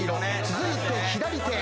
続いて左手。